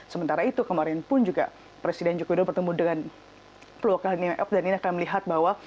sementara itu kemarin pun juga presiden joko widodo bertemu dengan keluarga new york dan ini akan melihat bahwa